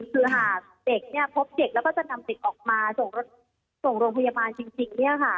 คือหากเด็กเนี่ยพบเด็กแล้วก็จะนำเด็กออกมาส่งรถส่งโรงพยาบาลจริงเนี่ยค่ะ